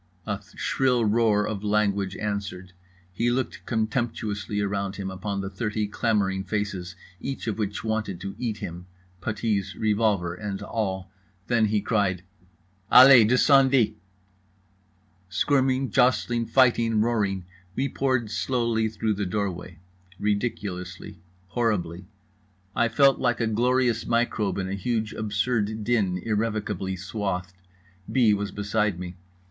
A shrill roar of language answered. He looked contemptuously around him, upon the thirty clamouring faces each of which wanted to eat him—puttees, revolver and all. Then he cried: "Allez, descendez." Squirming, jostling, fighting, roaring, we poured slowly through the doorway. Ridiculously. Horribly. I felt like a glorious microbe in huge absurd din irrevocably swathed. B. was beside me.